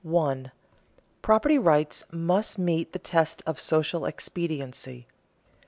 _Property rights must meet the test of social expediency.